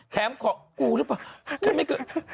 แถมของกูหรือเปล่าเฮ้ยไม่เกิด